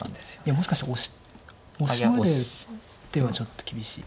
もしかしたらオシまで打ってはちょっと厳しい。